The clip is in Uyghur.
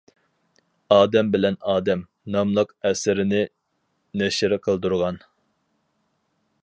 «ئادەم بىلەن ئادەم» ناملىق ئەسىرىنى نەشر قىلدۇرغان.